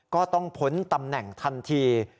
ก็ต้องพ้นตำแหน่งทันที